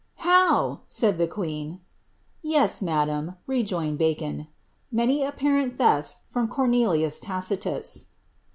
"How?" said the queen. "Yes, ma dam,^ rejoined Bacon, " many apparent theAs from Cornelius Tacitus."